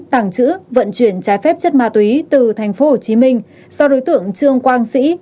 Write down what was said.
tàng trữ vận chuyển trái phép chất ma túy từ tp hcm do đối tượng trương quang sĩ